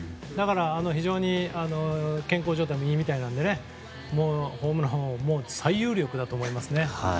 非常に健康状態もいいみたいなのでもう、ホームラン王最有力だと思いますね。